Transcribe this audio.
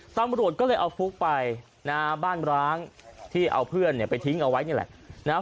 ตำรวจก็เลยเอาฟลุกไปบ้านร้างที่เอาเพื่อนไปทิ้งเอาไว้นี่แหละ